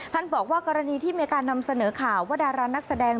บอกว่ากรณีที่มีการนำเสนอข่าวว่าดารานักแสดง